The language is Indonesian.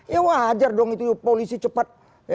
ya wajar dong itu polisi cepat